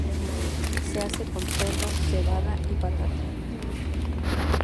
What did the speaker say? Se hace con cerdo, cebada y patata.